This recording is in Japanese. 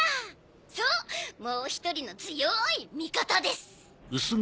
そうもう１人の強い味方です。